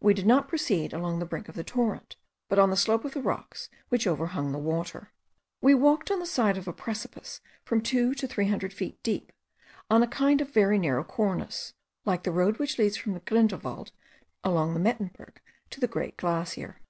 We did not proceed along the brink of the torrent, but on the slope of the rocks which overhung the water. We walked on the side of a precipice from two to three hundred feet deep, on a kind of very narrow cornice, like the road which leads from the Grindelwald along the Mettenberg to the great glacier.